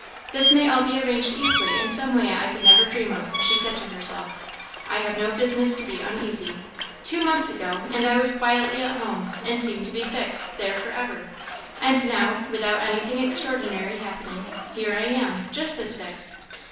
"This may all be arranged easily in some way I could never dream of," she said to herself; "I have no business to be uneasy. Two months ago, and I was quietly at home, and seemed to be fixed there for ever; and now, and without anything extraordinary happening, here I am just as fixed.